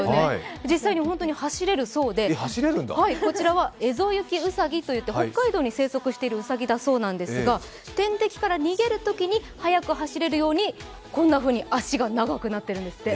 実際に本当に走れるそうで、こちらはエゾユキウサギといって北海道に生息しているうさぎだそうですが、天敵から逃げるときに速く走れるようにこんなふうに脚が長くなっているんですって。